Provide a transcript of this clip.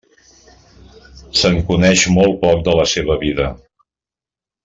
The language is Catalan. Se'n coneix molt poc de la seva vida.